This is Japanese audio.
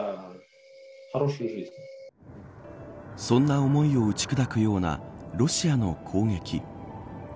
そんな思いを打ち砕くようなロシアの攻撃。